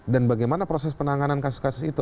dan bagaimana proses penanganan kasus kasus itu